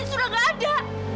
sudah gak ada